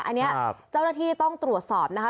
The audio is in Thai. อันนี้เจ้าหน้าที่ต้องตรวจสอบนะคะ